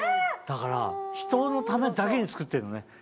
だから人のためだけに作ってるのね。